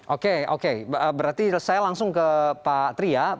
oke oke berarti saya langsung ke pak tri ya